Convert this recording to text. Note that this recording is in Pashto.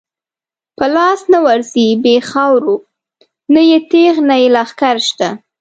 په لاس نه ورځی بی خاورو، نه یی تیغ نه یی لښکر شته